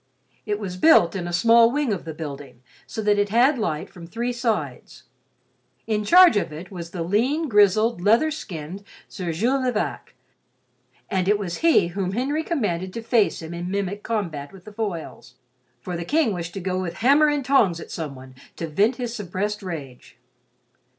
It was built in a small wing of the building so that it had light from three sides. In charge of it was the lean, grizzled, leather skinned Sir Jules de Vac, and it was he whom Henry commanded to face him in mimic combat with the foils, for the King wished to go with hammer and tongs at someone to vent his suppressed rage.